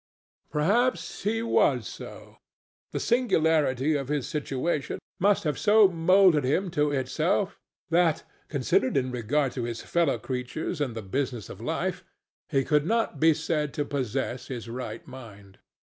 Perhaps he was so. The singularity of his situation must have so moulded him to itself that, considered in regard to his fellow creatures and the business of life, he could not be said to possess his right mind.